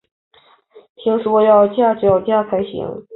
听说要架脚架才行